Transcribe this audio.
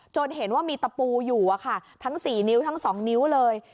จนเห็นว่ามีตะปูอยู่อ่ะค่ะทั้งสี่นิ้วทั้งสองนิ้วเลย